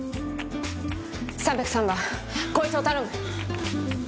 ３０３番こいつを頼む！